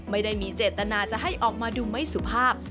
ไม่ได้มีเจตนาจะให้ออกมาดูไม่สุภาพ